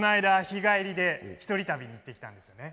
日帰りで１人旅に行ってきたんですね。